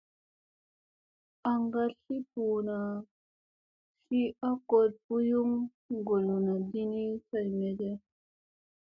An ka tli ɓuu naa tli a gol ɓuyun goolona di ni kay mege ?